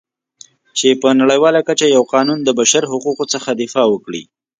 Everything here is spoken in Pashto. چې په نړیواله کچه یو قانون د بشرحقوقو څخه دفاع وکړي.